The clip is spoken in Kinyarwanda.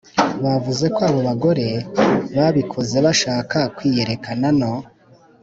bavuze ko abo bagore babikoze bashaka kwiyerekana no